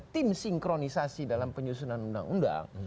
tim sinkronisasi dalam penyusunan undang undang